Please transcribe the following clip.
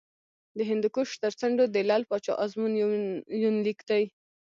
د هندوکش تر څنډو د لعل پاچا ازمون یونلیک دی